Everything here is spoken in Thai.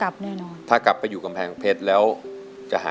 อเรนนี่คือเหตุการณ์เริ่มต้นหลอนช่วงแรกแล้วมีอะไรอีก